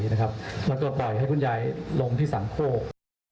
แล้วก็ปล่อยให้คุณยายลงที่สามโคก